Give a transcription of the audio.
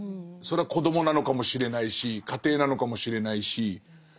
それは子どもなのかもしれないし家庭なのかもしれないし。